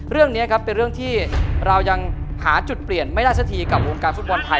เรื่องนี้ครับเป็นเรื่องที่เรายังหาจุดเปลี่ยนไม่ได้สักทีกับวงการฟุตบอลไทย